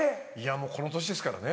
もうこの年ですからね。